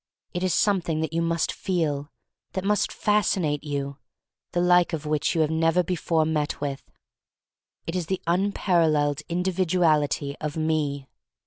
It is something that you must feel, that must fascinate you, the like of which you have never before met with. It is the unparalleled individuality of me.